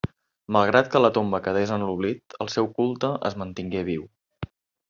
Malgrat que la tomba quedés en l'oblit, el seu culte es mantingué viu.